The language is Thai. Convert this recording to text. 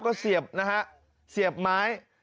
ก็เสียบเสียบไม้